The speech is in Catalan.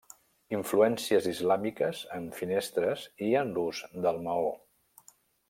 Influències islàmiques en finestres i en l'ús del maó.